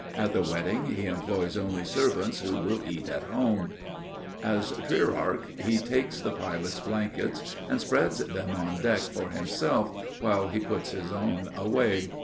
At the wedding, he employs only servants who will eat at home. As trierarch he takes the pilot's blankets and spreads them on deck for himself, while he puts his own away.